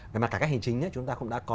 cải cách hình chính chúng ta cũng đã có